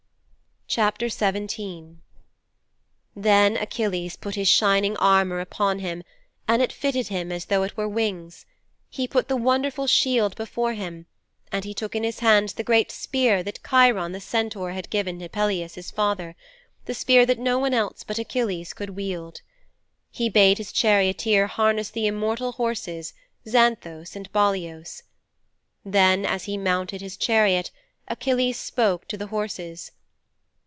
XVII Then Achilles put his shining armour upon him and it fitted him as though it were wings; he put the wonderful shield before him and he took in his hands the great spear that Cheiron the Centaur had given to Peleus his father that spear that no one else but Achilles could wield. He bade his charioteer harness the immortal horses Xanthos and Balios. Then as he mounted his chariot Achilles spoke to the horses.